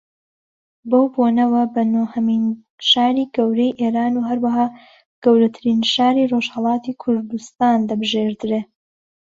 بەو بۆنەوە بە نۆیەمین شاری گەورەی ئێران و ھەروەھا گەورەترین شاری ڕۆژھەڵاتی کوردستان دەبژێردرێ